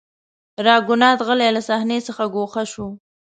راګونات غلی له صحنې څخه ګوښه شو.